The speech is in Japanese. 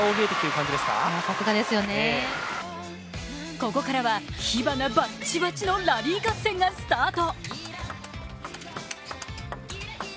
ここからは火花バッチバチのラリー合戦がスタート。